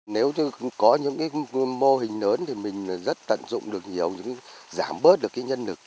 nếu có những mô hình lớn thì mình rất tận dụng được nhiều giảm bớt được nhân lực